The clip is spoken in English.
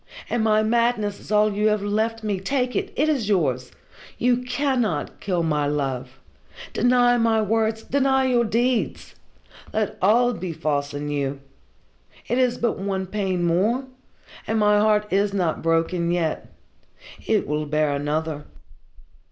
And my madness is all you have left me take it it is yours! You cannot kill my love. Deny my words, deny your deeds! Let all be false in you it is but one pain more, and my heart is not broken yet. It will bear another.